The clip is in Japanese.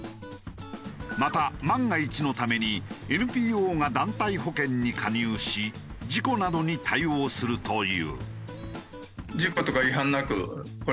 また万が一のためにＮＰＯが団体保険に加入し事故などに対応するという。